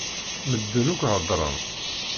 Medden akk heddṛen.